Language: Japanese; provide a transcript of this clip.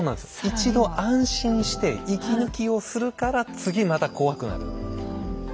一度安心して息抜きをするから次また怖くなる。